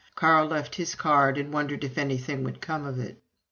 Carl left his card, and wondered if anything would come of it.